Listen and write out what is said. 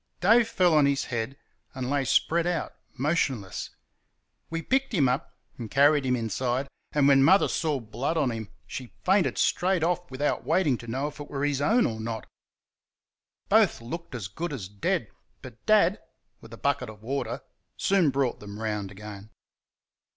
Dave fell on his head and lay spread out, motionless. We picked him up and carried him inside, and when Mother saw blood on him she fainted straight off without waiting to know if it were his own or not. Both looked as good as dead; but Dad, with a bucket of water, soon brought them round again.